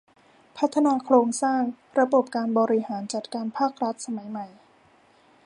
พัฒนาโครงสร้างระบบการบริหารจัดการภาครัฐสมัยใหม่